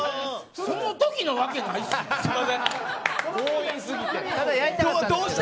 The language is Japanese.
そのときのわけないし。